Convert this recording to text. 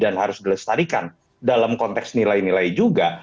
dan harus dilestarikan dalam konteks nilai nilai juga